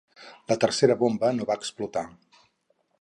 La tercera bomba no va explotar.